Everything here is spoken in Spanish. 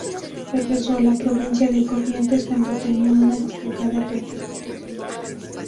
Regresó a la provincia de Corrientes, donde tenía una destacada participación.